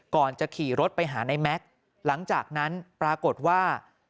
ก่อนจะขี่รถไปหาในแม็กซ์หลังจากนั้นปรากฏว่า